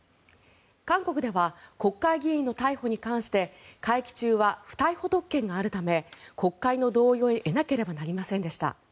韓国では国会議員の逮捕に関して会期中は不逮捕特権があるため国会の同意を得なければなりませんでした。